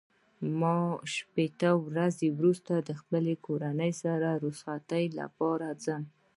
ما شپېته ورځې وروسته د خپل کورنۍ سره د رخصتۍ لپاره ځم.